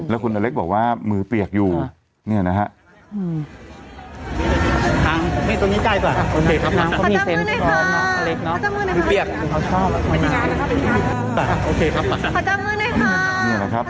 แล้วคุณอเล็กบอกว่ามือเปียกอยู่เนี่ยนะฮะ